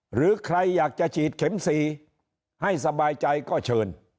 หรือใครอยากจะฉีดเข็ม๔ให้สบายใจก็เชิญ